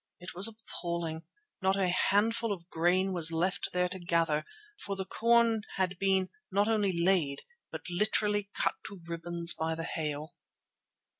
It was appalling. Not a handful of grain was there left to gather, for the corn had been not only "laid" but literally cut to ribbons by the hail.